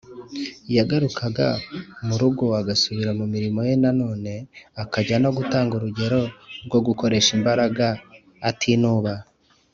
, Yagarukaga mu rugo agasubira mu mirimo ye nanone, akajya no gutanga urugero rwo gukoresha imbaraga atinuba